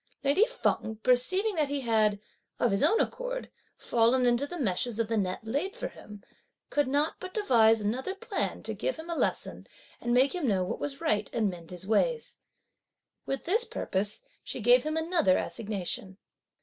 Lady Feng perceiving that he had, of his own accord, fallen into the meshes of the net laid for him, could not but devise another plot to give him a lesson and make him know what was right and mend his ways. With this purpose, she gave him another assignation.